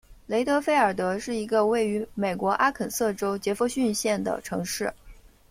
雷德菲尔德是一个位于美国阿肯色州杰佛逊县的城市。